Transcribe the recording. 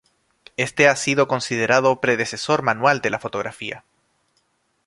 Este ha sido considerado predecesor manual de la fotografía.